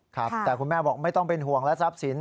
แต่คุณแม่บอกไม่ต้องเป็นห่วงแล้วซับสิน